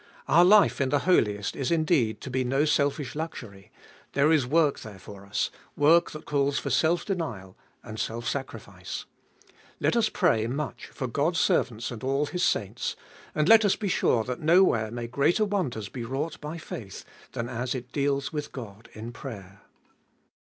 Our life in the Holiest is indeed to be no selfish luxury ; there is work there for us — work that calls for self denial and self sacrifice. Let us pray much for God's servants and all His saints ; and let us be sure that nowhere may greater wonders be wrought by faith, than as it deals with God in prayer.